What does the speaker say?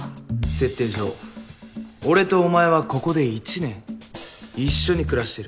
設定上俺とお前はここで１年一緒に暮らしてる。